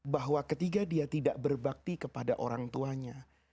bahwa ketika dia tidak berbakti kepada orang tuanya